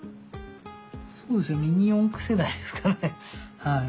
そうですねミニ四駆世代ですからねはい。